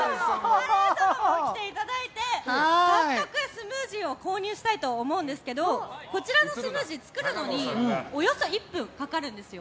アレン様も来ていただいて早速、スムージーを購入したいと思うんですけどこちらのスムージー作るのにおよそ１分かかります。